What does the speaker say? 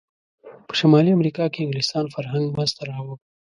په شمالي امریکا کې انګلسان فرهنګ منځته راوړ.